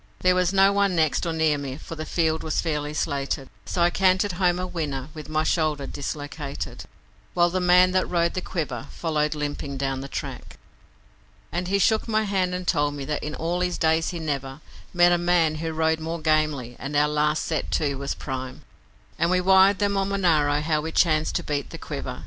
There was no one next or near me for the field was fairly slated, So I cantered home a winner with my shoulder dislocated, While the man that rode the Quiver followed limping down the track. And he shook my hand and told me that in all his days he never Met a man who rode more gamely, and our last set to was prime, And we wired them on Monaro how we chanced to beat the Quiver.